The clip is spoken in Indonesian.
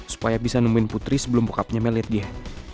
supaya bisa nemuin putri sebelum pokapnya melihat dia